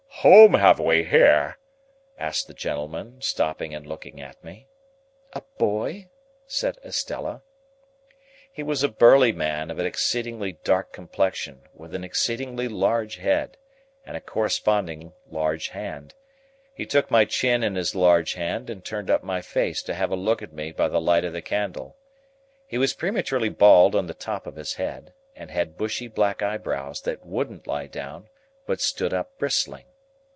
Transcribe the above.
"Whom have we here?" asked the gentleman, stopping and looking at me. "A boy," said Estella. He was a burly man of an exceedingly dark complexion, with an exceedingly large head, and a corresponding large hand. He took my chin in his large hand and turned up my face to have a look at me by the light of the candle. He was prematurely bald on the top of his head, and had bushy black eyebrows that wouldn't lie down but stood up bristling.